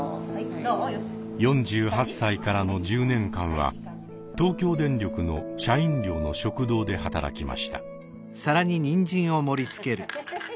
４８歳からの１０年間は東京電力の社員寮の食堂で働きました。